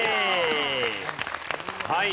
はい。